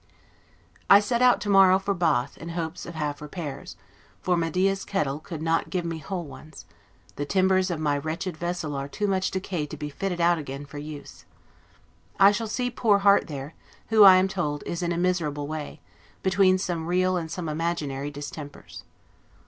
I set out to morrow for Bath, in hopes of half repairs, for Medea's kettle could not give me whole ones; the timbers of my wretched vessel are too much decayed to be fitted out again for use. I shall see poor Harte there, who, I am told, is in a miserable way, between some real and some imaginary distempers.